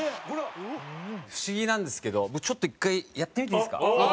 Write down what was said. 不思議なんですけど僕ちょっと１回やってみていいですか？